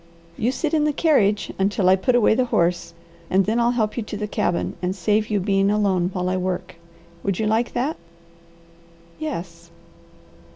"You sit in the carriage until I put away the horse, and then I'll help you to the cabin, and save you being alone while I work. Would you like that?" "Yes."